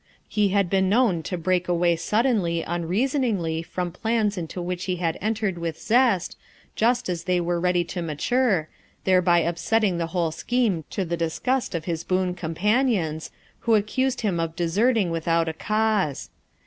He had been known to break away suddenly un reasoningly from plans into which he had en tered with zest, just as they were ready to ma ture, thereby upsetting the whole scheme to the disgust of his boon companions, who accused him of deserting without a cause.